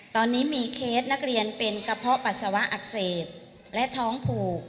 ตอนนี้มีเคสนักเรียนเป็นกระเพาะปัสสาวะอักเสบและท้องผูก